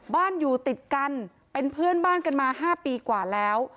อยู่ติดกันเป็นเพื่อนบ้านกันมา๕ปีกว่าแล้ว